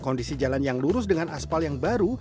kondisi jalan yang lurus dengan aspal yang baru